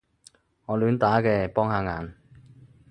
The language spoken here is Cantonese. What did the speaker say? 我亂打嘅，幫下眼